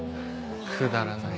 くだらない。